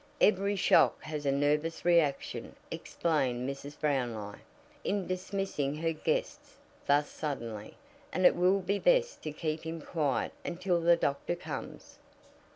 "Every shock has a nervous reaction," explained Mrs. Brownlie in dismissing her guests thus suddenly, "and it will be best to keep him quiet until the doctor comes."